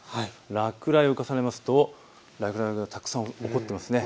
落雷を重ねますとたくさん起こっていますね。